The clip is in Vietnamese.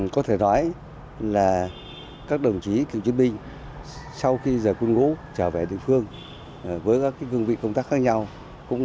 có thể nói là các đồng chí cựu chiến binh sau khi rời quân ngũ trở về địa phương với các gương vị công tác khác nhau